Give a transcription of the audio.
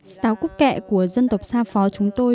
sáo cúc kẹ của dân tộc xa phó chúng tôi